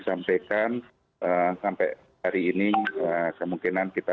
sampaikan sampai hari ini kemungkinan kita